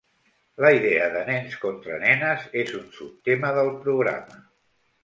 La idea de "nens contra nenes" és un subtema del programa.